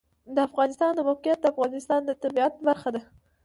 د افغانستان د موقعیت د افغانستان د طبیعت برخه ده.